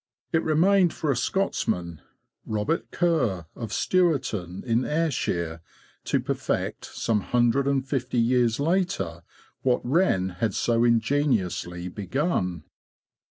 It remained for a Scotsman, Robert Kerr, of Stewarton, in Ayrshire, to perfect, some hundred and fifty years later, what Wren had so ingeniously begun.